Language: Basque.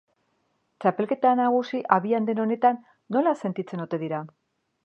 Txapelketa nagusi abian den honetan nola sentitzen ote dira?